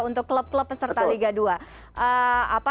untuk klub klub peserta liga dua